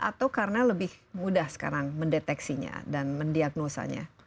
atau karena lebih mudah sekarang mendeteksinya dan mendiagnosanya